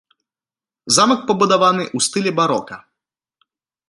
Замак пабудаваны ў стылі барока.